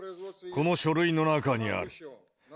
この書類の中にある。